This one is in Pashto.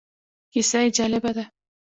کیسه یې جالبه ده.